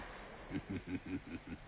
フフフフ。